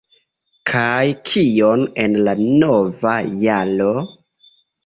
Kaj kion en la nova jaro?